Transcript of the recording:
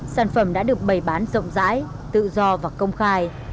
sản phẩm đã được bày bán rộng rãi tự do và công khai